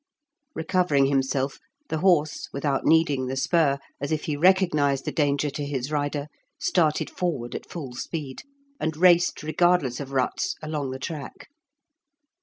Recovering himself, the horse, without needing the spur, as if he recognised the danger to his rider, started forward at full speed, and raced, regardless of ruts, along the track.